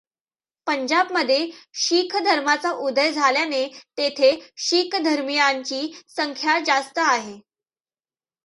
पंजाब मध्ये शीख धर्माचा उदय झाल्याने तेथे शीख धर्मीयांची संख्या जास्त आहे.